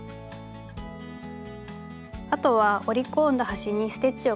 あとは折り込んだ端にステッチをかけて下さい。